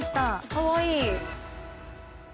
かわいい。